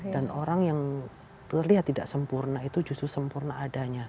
dan orang yang terlihat tidak sempurna itu justru sempurna adanya